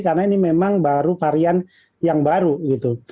karena ini memang baru varian yang baru gitu